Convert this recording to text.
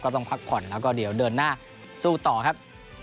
ต้องพักผ่อนแล้วก็เดี๋ยวเดินหน้าสู้ต่อครับ